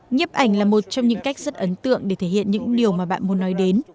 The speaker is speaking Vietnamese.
nhiếp ảnh là một trong những cách rất ấn tượng để thể hiện những điều mà bạn muốn nói đến